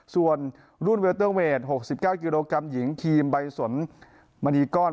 ส่วนรุ่นเวลเตอร์เวท๖๙กิโลกรัมหญิงทีมใบสนมณีก้อน